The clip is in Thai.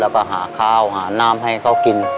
แล้วก็หาข้าวหาน้ำให้เขากิน